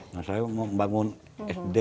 nah saya mau membangun sd